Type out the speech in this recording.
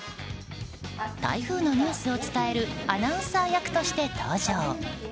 台風のニュースを伝えるアナウンサー役として登場。